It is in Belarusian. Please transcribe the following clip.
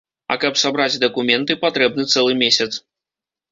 А каб сабраць дакументы, патрэбны цэлы месяц.